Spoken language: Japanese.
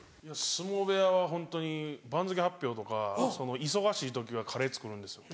相撲部屋はホントに番付発表とか忙しい時はカレー作るんですよ。